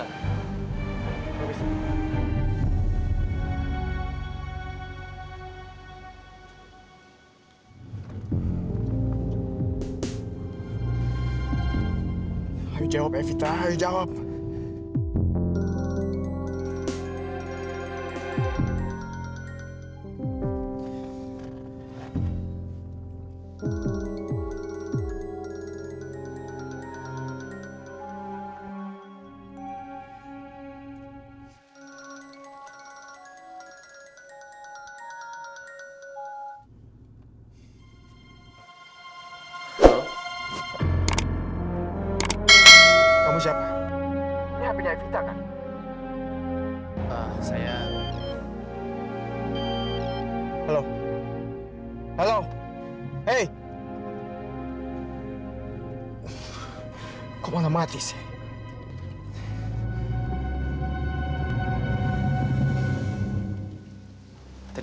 nggak maaf banget